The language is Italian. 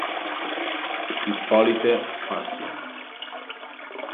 Hippolyte Passy